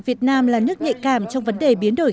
việt nam là nước nhạy cảm trong vấn đề biến đổi